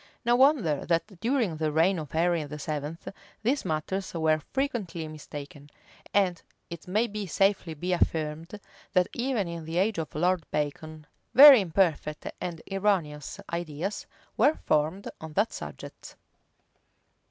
No wonder that during the reign of Henry VII.[*,] these matters were frequently mistaken; and it may safely be affirmed, that even in the age of Lord Bacon, very imperfect and erroneous ideas were formed on that subject.